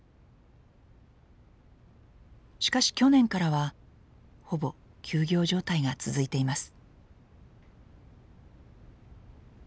しかし去年からはほぼ休業状態が続いています。